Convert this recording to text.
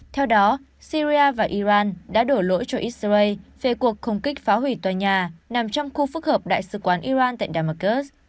theo đó syria và iran đã đổ lỗi cho israel về cuộc không kích phá hủy tòa nhà nằm trong khu phức hợp đại sứ quán iran tại damasus